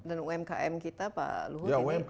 dan umkm kita pak luhur